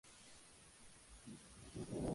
Fue descendiente del general Miguel Negrete.